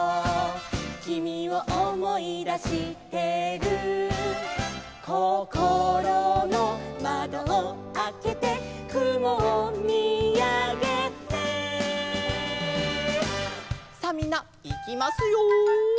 「君を思い出してる」「こころの窓をあけて」「雲を見あげて」さあみんないきますよ。